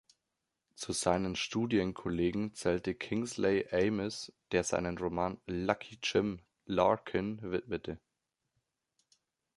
Zu seinen Studienkollegen zählte Kingsley Amis, der seinen Roman "Lucky Jim" Larkin widmete.